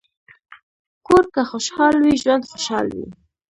کور که خوشحال وي، ژوند خوشحال وي.